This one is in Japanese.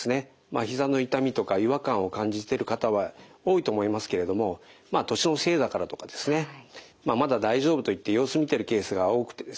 ひざの痛みとか違和感を感じている方は多いと思いますけれども年のせいだからとかですねまだ大丈夫といって様子見ているケースが多くてですね